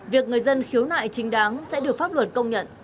việc người dân khiếu nại chính đáng sẽ được pháp luật công nhận